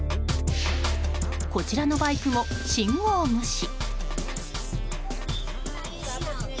こちらのバイクも信号無視。